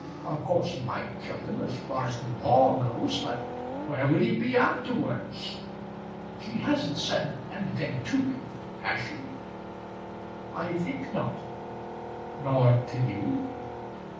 Of course he might kill them, as far as the law goes, but where would he be afterwards? She hasn't said anything to him, has she?" "I think not." "Nor to you?"